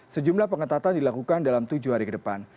sejumlah pengetatan dilakukan dalam tujuh hari ke depan